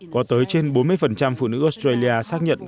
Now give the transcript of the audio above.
có tới trên bốn mươi phụ nữ australia xác nhận